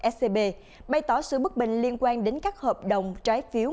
scb bày tỏ sự bất bình liên quan đến các hợp đồng trái phiếu